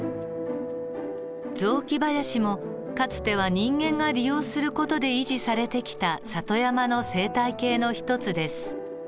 雑木林もかつては人間が利用する事で維持されてきた里山の生態系の一つです。